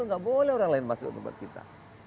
nggak boleh orang lain masuk ke tempat kita